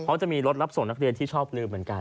เขาจะมีรถรับส่งนักเรียนที่ชอบลืมเหมือนกัน